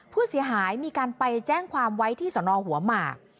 ผู้เสียหายมีการไปแจ้งความไว้ที่สนหัวหมาก